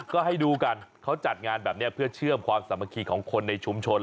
ก็ให้ดูกันเขาจัดงานแบบนี้เพื่อเชื่อมความสามัคคีของคนในชุมชน